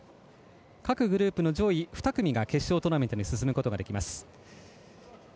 各グループの上位２組が決勝トーナメントに進むことができます。